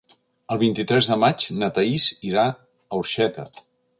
El vint-i-tres de maig na Thaís irà a Orxeta.